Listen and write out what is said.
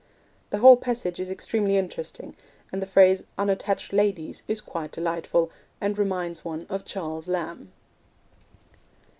The whole passage is extremely interesting, and the phrase 'unattached ladies' is quite delightful, and reminds one of Charles Lamb.